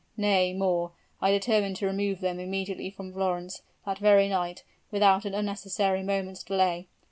Nay, more I determined to remove them immediately from Florence that very night without an unnecessary moment's delay.